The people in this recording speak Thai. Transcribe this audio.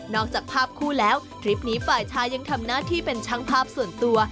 จากภาพคู่แล้วทริปนี้ฝ่ายชายยังทำหน้าที่เป็นช่างภาพส่วนตัว